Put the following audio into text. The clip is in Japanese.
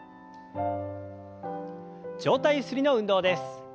上体ゆすりの運動です。